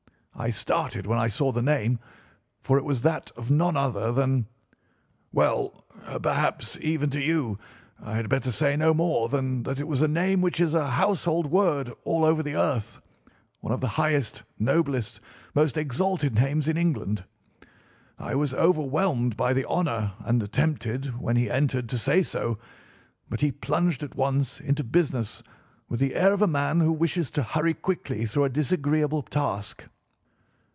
I started when I saw the name, for it was that of none other than—well, perhaps even to you I had better say no more than that it was a name which is a household word all over the earth—one of the highest, noblest, most exalted names in England. I was overwhelmed by the honour and attempted, when he entered, to say so, but he plunged at once into business with the air of a man who wishes to hurry quickly through a disagreeable task.